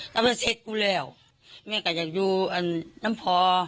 แต่มันเสร็จกูแล้วแม่ก็อยากอยู่น้ำพอ